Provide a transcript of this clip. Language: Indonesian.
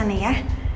thanks ya rick